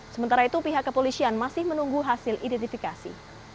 sementara itu pihak kepolisian masih menunggu hasil identifikasi